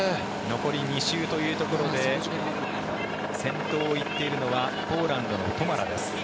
残り２周というところで先頭を行っているのはポーランドのトマラです。